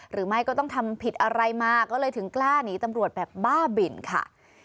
หรือไม่ก็ต้องทำผิดอะไรมาก็เลยถึงกล้าหนีตำรวจแบบบ้าบินค่ะ